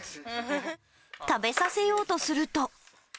食べさせようとすると。